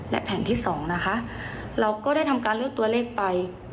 และรอบที่๒วันที่๑๕ก็นักกระดาษเหมือนกันค่ะ